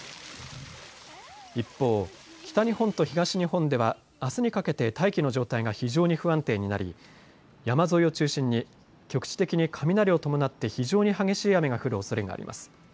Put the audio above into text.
一方、北日本と東日本ではあすにかけて大気の状態が非常に不安定になり山沿いを中心に局地的に雷を伴って非常に激しい雨が降るおそれがあります。